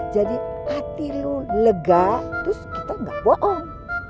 jadi hati lo lega terus kita gak bohong